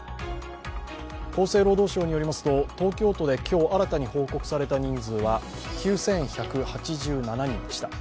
厚生労働省によりますと、東京都で今日新たに報告された人数は９１８７人でした。